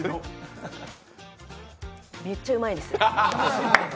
めっちゃうまいです。